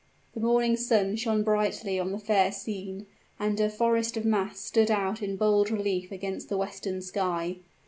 The morning sun shone brightly on the fair scene; and a forest of masts stood out in bold relief against the western sky.